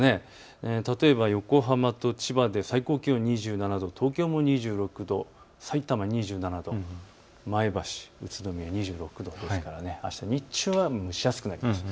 例えば横浜と千葉で最高気温２７度、東京も２６度、さいたま２７度、前橋、宇都宮２６度ですからあした日中は蒸し暑くなります。